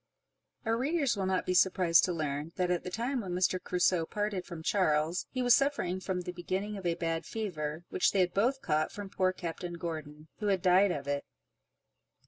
Our readers will not be surprised to learn, that at the time when Mr. Crusoe parted from Charles, he was suffering from the beginning of a bad fever, which they had both caught from poor Captain Gordon, who had died of it.